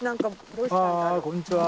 あこんにちは。